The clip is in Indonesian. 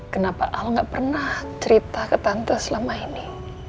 kenapa al ga pernah cerita ke tante selama ini